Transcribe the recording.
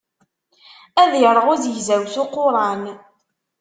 Ad iṛeɣ uzegzaw s uquṛan.